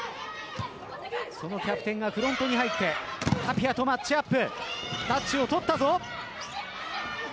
そのキャプテンがフロントに入ってタピアとマッチアップ。